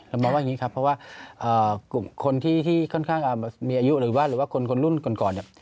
เรามองว่าอย่างนี้ครับเพราะว่าคนที่ค่อนข้างมีอายุหรือว่าคนรุ่นก่อน